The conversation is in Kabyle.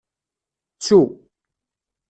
Ttu.